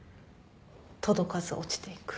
届かず落ちていく。